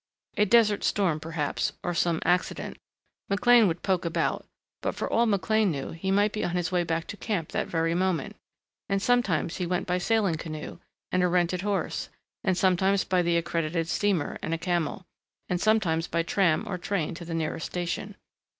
A desert storm perhaps, or some accident. McLean would poke about but for all McLean knew he might be on his way back to camp that very moment. And sometimes he went by sailing canoe, and a rented horse, and sometimes by the accredited steamer and a camel, and sometimes by tram or train to the nearest station.